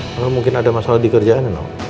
kalau mungkin ada masalah di kerjaannya no